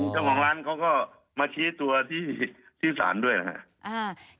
เจ้าของร้านเขาก็มาชี้ตัวที่ที่ศาลด้วยนะครับ